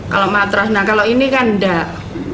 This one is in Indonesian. kalau matras nah kalau ini kan enggak